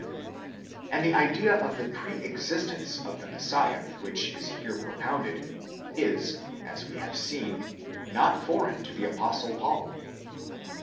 27; and the idea of the pre existence of the Messiah which is here propounded, is, as we have seen, not foreign to the Apostle Paul.